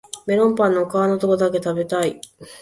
メロンパンの皮のとこだけ食べたい